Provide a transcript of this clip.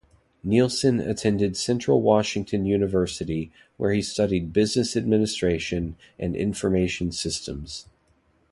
Nielsen attended Central Washington University, where he studied Business Administration and Information Systems.